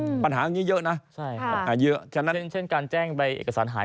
ปัญหาอย่างนี้เยอะนะใช่ครับอ่าเยอะฉะนั้นเช่นการแจ้งใบเอกสารหาย